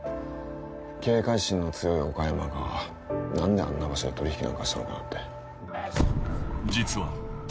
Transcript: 「警戒心の強い岡山がなんであんな場所で取引なんかしたのかなって」